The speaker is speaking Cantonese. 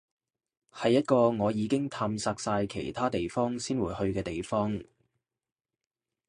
係一個我已經探索晒其他地方先會去嘅地方